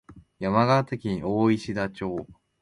山形県大石田町